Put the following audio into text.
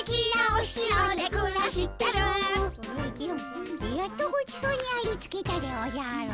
おじゃやっとごちそうにありつけたでおじゃる。